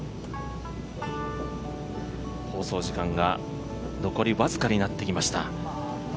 放送時間が残り僅かになってきました。